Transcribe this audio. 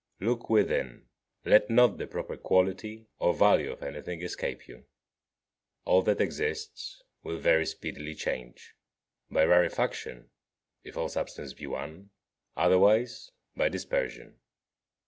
3. Look within. Let not the proper quality or value of anything escape you. 4. All that exists will very speedily change; by rarefaction, if all substance be one; otherwise by dispersion.